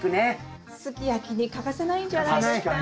すき焼きに欠かせないんじゃないですか。